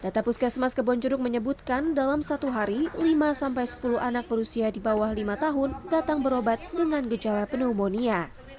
data puskesmas kebonjeruk menyebutkan dalam satu hari lima sampai sepuluh anak berusia di bawah lima tahun datang berobat dengan gejala pneumonia